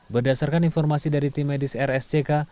berdasarkan informasi dari tim medis rsck